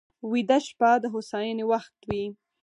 ویده شپه د هوساینې وخت وي